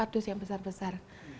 empat dus yang besar besar